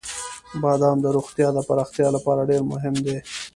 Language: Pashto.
• بادام د روغتیا د پراختیا لپاره ډېر مهم دی.